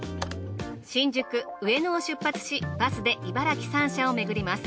新宿上野を出発しバスで茨城３社をめぐります。